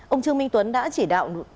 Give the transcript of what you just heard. ông trương minh tuấn đã chỉ đạo